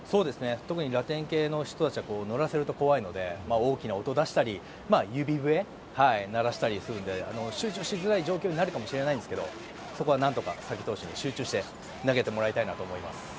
特にラテン系の人たちは乗らせると怖いので大きな音を出したり指笛を鳴らしたりするので集中しづらい状況になるかもしれませんがそこは何とか佐々木投手に集中して投げてもらいたいなと思います。